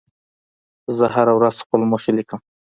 زه هره ورځ خپل موخې لیکم.